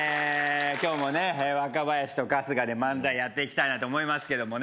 今日もね若林と春日で漫才やっていきたいなと思いますけどもね